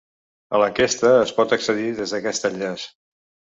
A l’enquesta es pot accedir des d’aquest enllaç.